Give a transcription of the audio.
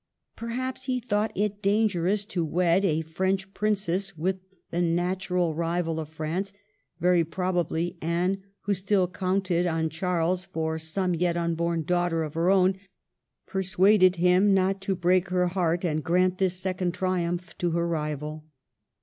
Perhaps he thought it dangerous to wed a French princess with the natural rival of France ; very probably Anne, who still counted on Charles for some yet unborn daughter of her own, persuaded him not to break her heart and grant this second triumph to her rival.